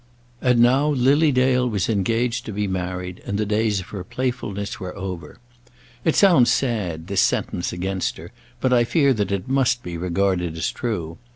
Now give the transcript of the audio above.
And now Lily Dale was engaged to be married, and the days of her playfulness were over. It sounds sad, this sentence against her, but I fear that it must be regarded as true.